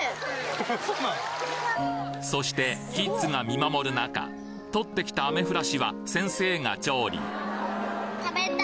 そしてキッズが見守る中獲ってきたアメフラシは先生が調理・食べた！